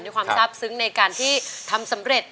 ความทราบซึ้งในการที่ทำสำเร็จ